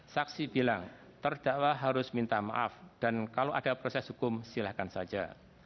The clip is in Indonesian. saksi bilang terdakwa harus minta maaf dan kalau ada proses hukum silahkan saja